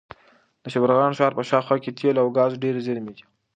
د شبرغان ښار په شاوخوا کې د تېلو او ګازو ډېرې زېرمې دي.